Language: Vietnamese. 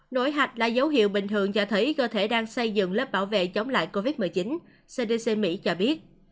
nổi hạch là dấu hiệu bình thường cho thấy cơ thể đang xây dựng lớp bảo vệ chống lại covid một mươi chín cdc mỹ cho biết